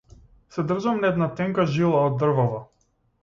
Се држам на една тенка жила од дрвово.